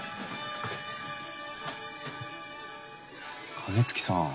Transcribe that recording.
金築さん。